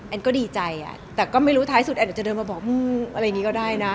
แอนด์ก็ดีใจอ่ะแต่ก็ไม่รู้ท้ายสุดแอนด์จะเดินมาบอกอะไรอย่างนี้ก็ได้นะ